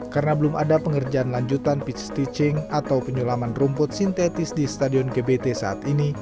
karena belum ada pengerjaan lanjutan pitch stitching atau penyulaman rumput sintetis di stadion gbt saat ini